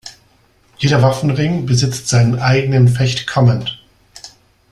Jeder Waffenring besitzt seinen eigenen Fecht-Comment.